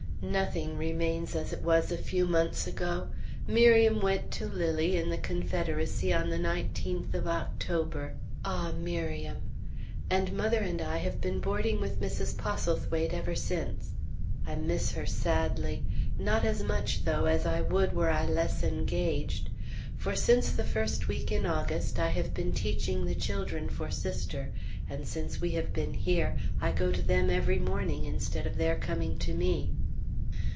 Nothing remains as it was a few months ago. Miriam went to Lilly, in the Confederacy, on the 19th of October (ah! Miriam!), and mother and I have been boarding with Mrs. Postlethwaite ever since. I miss her sadly. Not as much, though, as I would were I less engaged. For since the first week in August, I have been teaching the children for Sister; and since we have been here, I go to them every morning instead of their coming to me.